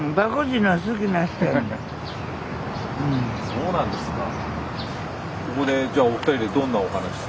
そうなんですか。